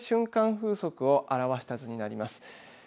風速を表した図になります。